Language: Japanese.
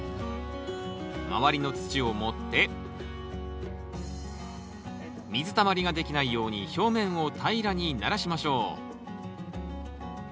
周りの土を盛って水たまりができないように表面を平らにならしましょう。